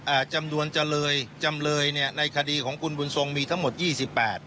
จำนวนจำเลยจำเลยเนี้ยในคดีของคุณบุญทรงมีทั้งหมดยี่สิบแปด